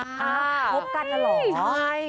ไม่ใช่เป็นอะไร